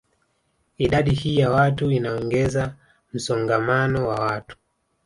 Idadi hii ya watu inaongeza msongamano wa watu